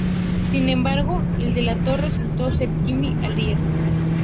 Sin embargo, el delator resultó ser Jimmy Altieri.